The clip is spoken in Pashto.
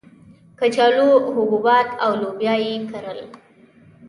کچالو، حبوبات او لوبیا یې کرل.